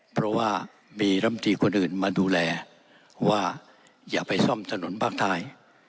เพราะว่ามีรำตีคนอื่นมาดูแลว่าอย่าไปซ่อมถนนภาคใต้